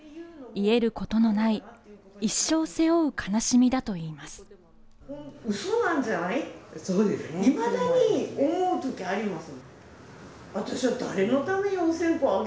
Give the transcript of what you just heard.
癒えることのない、一生背負う悲しみだといいます。